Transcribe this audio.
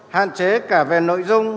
hạn chế cả về nội dung